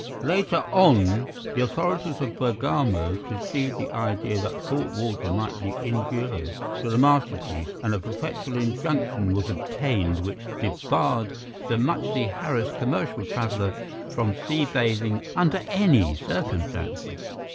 Later on the authorities of Bergamo conceived the idea that salt water might be injurious to the masterpiece, and a perpetual injunction was obtained which debarred the muchly harassed commercial traveller from sea bathing under any circumstances.